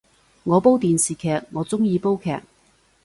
我煲電視劇，我鍾意煲劇